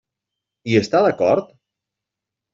Hi està d'acord?